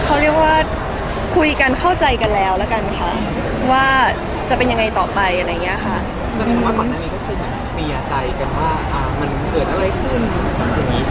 เขาเรียกว่าคุยกันเข้าใจกันแล้วแล้วกันค่ะว่าจะเป็นยังไงต่อไปอะไรอย่างนี้ค่ะ